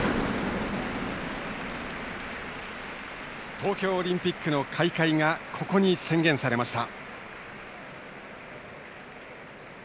東京オリンピックの開会がここに宣言されました。